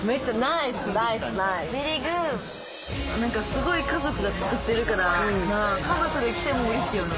すごい家族が作ってるから家族で来てもうれしいよな。